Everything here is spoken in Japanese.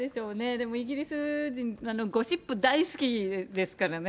でもイギリス人、ゴシップ大好きですからね。